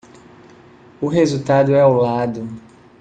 O resultado é ao lado